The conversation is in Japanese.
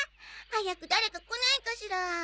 早く誰か来ないかしら。